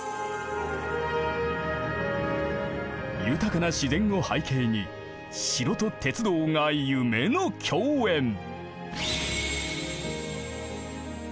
豊かな自然を背景に城と鉄道が夢の共演。